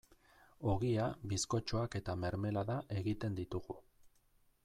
Ogia, bizkotxoak eta mermelada egiten ditugu.